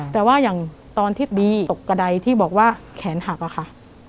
แต่ว่าอย่างตอนที่บีตกกระดายที่บอกว่าแขนหักอะค่ะ